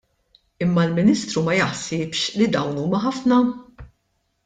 Imma l-Ministru ma jaħsibx li dawn huma ħafna?